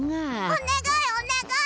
おねがいおねがい！